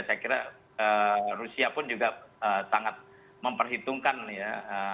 saya kira rusia pun juga sangat memperhitungkan ya